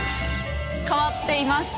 変わっています。